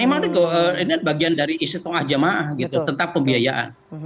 emang ini bagian dari isi tongah jama'ah gitu tentang pembiayaan